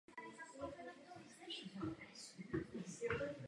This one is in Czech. Nachází se v Chorvatsku.